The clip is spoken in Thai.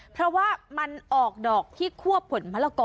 เพราะว่ามันออกดอกที่คั่วผลมะละกอ